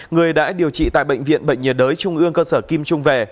người đã điều trị tại bệnh viện bệnh nhiệt đới trung ương cơ sở kim trung về